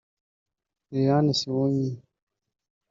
Lilian Siwunyi